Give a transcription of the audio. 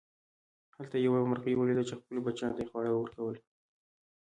هلته یې یوه مرغۍ وليدله چې خپلو بچیانو ته یې خواړه ورکول.